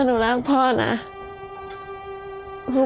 หนูไม่ได้มาหาพ่อเลย